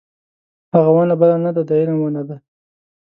هغه ونه بله نه ده د علم ونه ده.